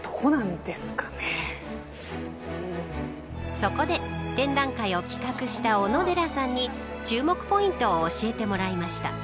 そこで展覧会を企画した小野寺さんに注目ポイントを教えてもらいました。